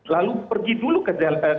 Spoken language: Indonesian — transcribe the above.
lalu pergi dulu ke